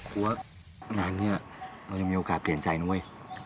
กลัวนานนี้เราจะมีโอกาสเปลี่ยนใจหน่วย